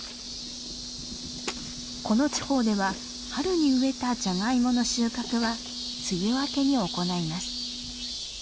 この地方では春に植えたジャガイモの収穫は梅雨明けに行います。